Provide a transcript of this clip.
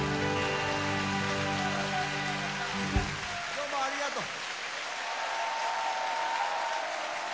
どうもありがとう。